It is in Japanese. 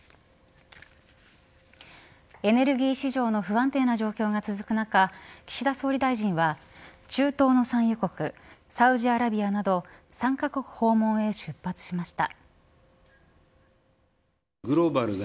エネルギー市場の不安定な状況が続く中岸田総理大臣は、中東の産油国サウジアラビアなど３カ国訪問へ出発しました。